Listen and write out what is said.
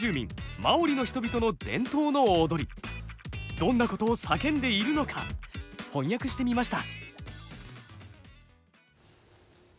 どんなことを叫んでいるのか翻訳してみました。